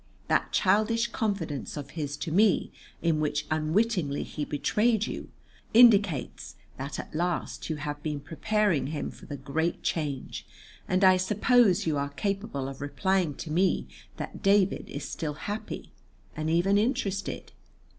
That childish confidence of his to me, in which unwittingly he betrayed you, indicates that at last you have been preparing him for the great change, and I suppose you are capable of replying to me that David is still happy, and even interested.